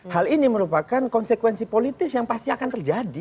hal ini merupakan konsekuensi politis yang pasti akan terjadi